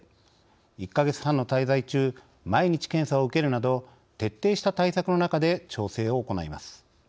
１か月半の滞在中毎日検査を受けるなど徹底した対策の中で調整を行います。